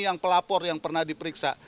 yang pelapor yang pernah diperiksa